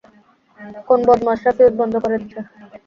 কোন বদমাশরা ফিউজ বন্ধ করে দিছে।